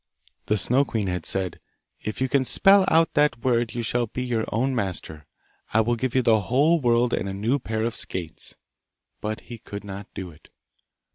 The Snow queen had said, 'If you can spell out that word you shalt be your own master. I will give you the whole world and a new pair of skates.' But he could not do it.